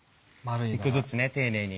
一個ずつね丁寧に。